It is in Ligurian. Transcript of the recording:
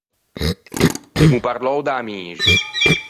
Emmo parlou da amixi.